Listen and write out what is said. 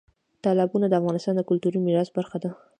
تالابونه د افغانستان د کلتوري میراث برخه ده.